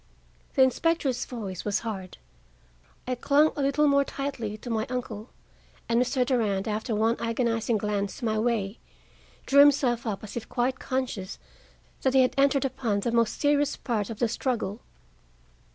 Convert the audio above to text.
The inspector's voice was hard. I clung a little more tightly to my uncle, and Mr. Durand, after one agonizing glance my way, drew himself up as if quite conscious that he had entered upon the most serious part of the struggle.